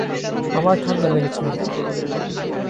আমার ঠান্ডা লেগেছে।